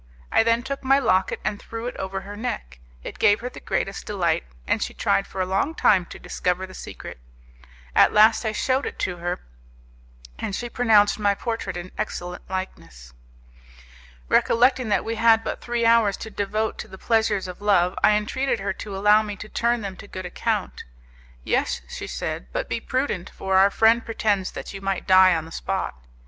I then took my locket and threw it over her neck; it gave her the greatest delight, and she tried for a long time to discover the secret. At last I showed it her, and she pronounced my portrait an excellent likeness. Recollecting that we had but three hours to devote to the pleasures of love, I entreated her to allow me to turn them to good account. "Yes," she said, "but be prudent, for our friend pretends that you might die on the spot."